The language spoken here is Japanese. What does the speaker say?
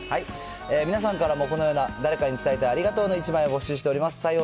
皆さんからもこのような誰かに伝えたいありがとうの１枚を募集しております。